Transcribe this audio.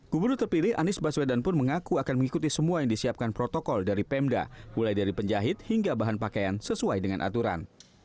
gubernur terpilih anies baswedan pun mengaku akan mengikuti semua yang disiapkan protokol dari pemda mulai dari penjahit hingga bahan pakaian sesuai dengan aturan